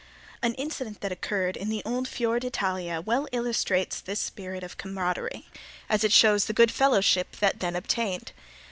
An incident that occurred in the old Fior d'Italia well illustrates this spirit of camaraderie, as it shows the good fellowship that then obtained.